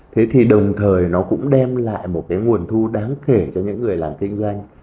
thế thì đồng thời nó cũng đem lại một cái nguồn thu đáng kể cho những người làm kinh doanh